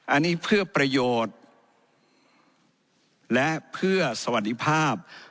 อันนี้เพื่อประโยชน์และเพื่อสวัสดีภาพ